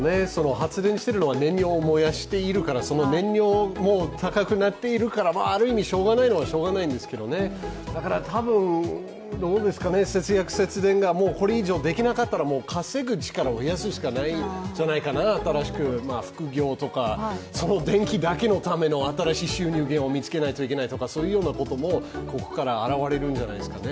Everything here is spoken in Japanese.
発電しているのは燃料を燃やしているからその燃料も高くなっているから、ある意味しようがないんですけどだから、多分、節約・節電がこれ以上できなかったらもう稼ぐ力を増やすしかないんじゃないかな、新しく、副業とか、その電気のための新しい収入源を見つけなきゃいけないとかそういうようなこともここから現れるんじゃないですかね。